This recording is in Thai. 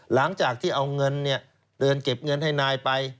หลังจากที่เอาเงินเดินเก็บเงินให้นายไป